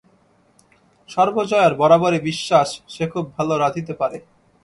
সর্বজয়ার বরাবরই বিশ্বাস সে খুব ভালো রাঁধিতে পারে।